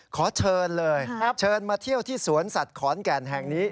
ขอเชิญเลยเชิญมาเที่ยวที่สวนสัตว์ขอนแก่นแห่งนี้